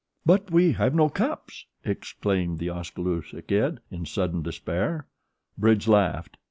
"But we have no cups!" exclaimed The Oskaloosa Kid, in sudden despair. Bridge laughed.